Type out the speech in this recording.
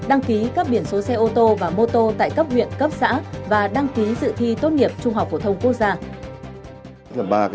đăng ký cấp biển số xe ô tô và mô tô tại cấp huyện cấp xã và đăng ký dự thi tốt nghiệp trung học phổ thông quốc gia